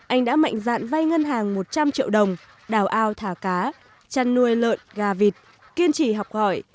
anh đã mạnh dạn vay ngân hàng một trăm linh triệu đồng đào ao thả cá chăn nuôi lợn gà vịt kiên trì học hỏi